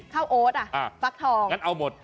ข้าวโอ๊ตปลั๊กทองงั้นเอาหมด